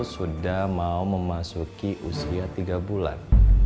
sudah mau memasuki usia tiga bulan